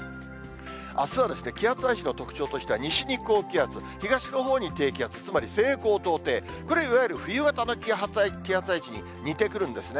あすは気圧配置の特徴としては、西に高気圧、東のほうに低気圧、つまり西高東低、これ、いわゆる冬型の気圧配置に似てくるんですね。